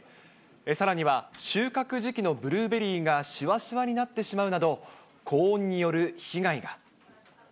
さらには収穫時期のブルーベリーがしわしわになってしまうなど、高温による被害が。